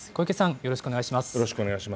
よろしくお願いします。